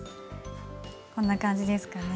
こんな感じですかね。